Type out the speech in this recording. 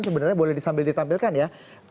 sebenarnya boleh sambil ditampilkan ya